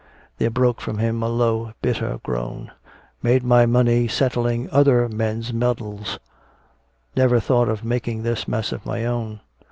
There broke from him a low, bitter groan. "Made my money settling other men's muddles! Never thought of making this mess of my own!